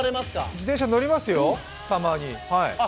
自転車乗りますよ、たまに。